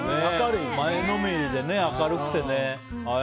前のめりで明るくてね。